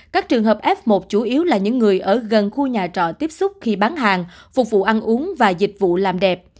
các trường hợp f một chủ yếu là những người ở gần khu nhà trọ tiếp xúc khi bán hàng phục vụ ăn uống và dịch vụ làm đẹp